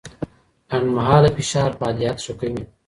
لنډمهاله فشار فعالیت ښه کوي.